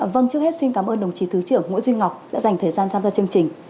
vâng trước hết xin cảm ơn đồng chí thứ trưởng nguyễn duy ngọc đã dành thời gian tham gia chương trình